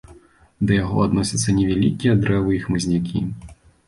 Да яго адносяцца невялікія дрэвы і хмызнякі.